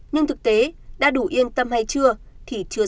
nhưng thực tế đã đủ yên tâm hay chưa thì chưa có